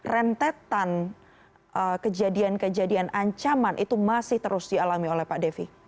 rentetan kejadian kejadian ancaman itu masih terus dialami oleh pak devi